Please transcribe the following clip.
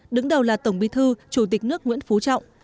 đứng đầu là tổng bí thư chủ tịch nước nguyễn phú trọng